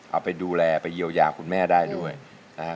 เอาไปดูแลไปเยียวยาคุณแม่ได้ด้วยนะฮะ